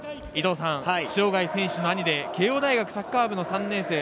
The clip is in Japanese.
塩貝選手の兄で慶應大学サッカー部の３年生。